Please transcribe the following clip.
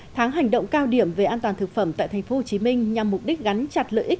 tháng hành động cao điểm về an toàn thực phẩm tại tp hcm nhằm mục đích gắn chặt lợi ích